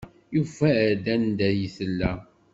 Yufa-d anda ay tella.